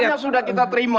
catatannya sudah kita terima